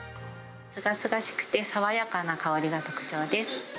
すがすがしくて爽やかな香りが特徴です。